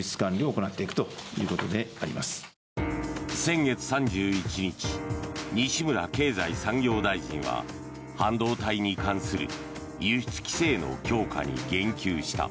先月３１日、西村経産大臣は半導体に関する輸出規制の強化に言及した。